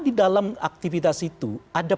di dalam aktivitas itu ada